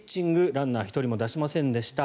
ランナー１人も出しませんでした。